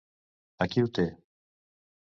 Aquí ho té.